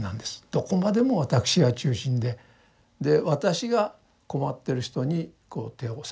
どこまでも私が中心でで私が困ってる人にこう手を差し向けると。